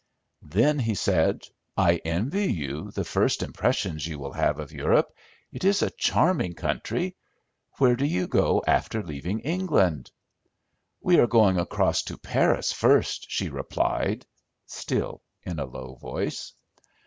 Then he said, "I envy you the first impressions you will have of Europe. It is a charming country. Where do you go after leaving England?" "We are going across to Paris first," she replied, still in a low voice.